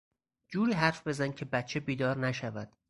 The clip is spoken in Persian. جوری حرف بزن که بچه بیدار نشود.